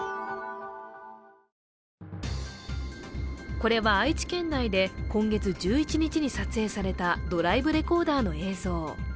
これは愛知県内で今月１１日に撮影されたドライブレコーダーの映像。